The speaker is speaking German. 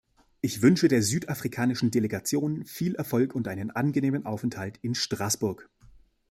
Ich wünsche der südafrikanischen Delegation viel Erfolg und einen angenehmen Aufenthalt in Straßburg.